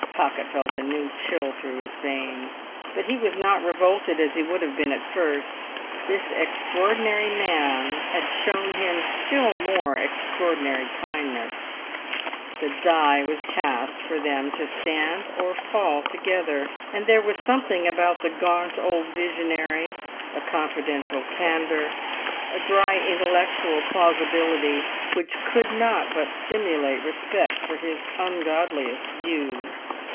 Pocket felt a new chill through his veins, but he was not revolted as he would have been at first. This extraordinary man had shown him still more extraordinary kindness; the die was cast for them to stand or fall together; and there was something about the gaunt old visionary, a confidential candour, a dry intellectual plausibility, which could not but stimulate respect for his ungodliest views.